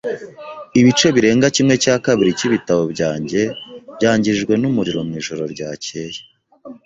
Ibice birenga kimwe cya kabiri cyibitabo byanjye byangijwe numuriro mwijoro ryakeye.